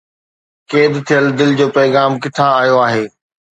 قيد ٿيل دل جو پيغام ڪٿان آيو آهي؟